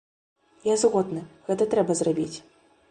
Я згодны, гэта трэба зрабіць.